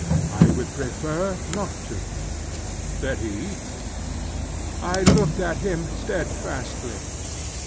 "I would prefer not to," said he. I looked at him steadfastly.